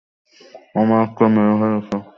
আমার একটা মেয়ে হয়েছে।